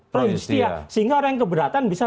pro justia sehingga orang yang keberatan bisa